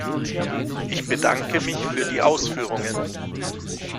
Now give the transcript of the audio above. Ich bedanke mich für die Ausführungen.